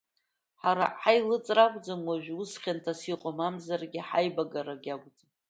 Ҳара ҳаилыҵра акәӡам уажәы ус хьанҭас иҟоу, мамзаргьы ҳаибагарагьы акәӡам.